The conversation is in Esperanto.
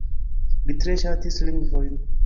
Li tre ŝatis lingvojn.